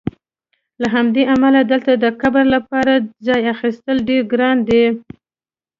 له همدې امله دلته د قبر لپاره ځای اخیستل ډېر ګران دي.